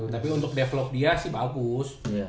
tapi untuk develop dia sih bagus